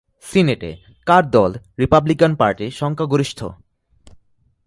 সিনেটে কার দল Republican party সংখ্যাগরিষ্ঠ?